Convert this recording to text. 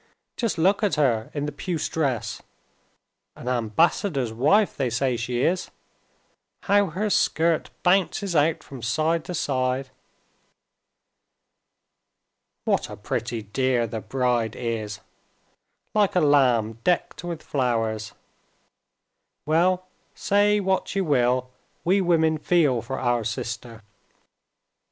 Just look at her in the puce dress—an ambassador's wife they say she is—how her skirt bounces out from side to side!" "What a pretty dear the bride is—like a lamb decked with flowers! Well, say what you will, we women feel for our sister."